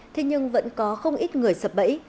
thế nhưng vẫn có không ít người sập bẫy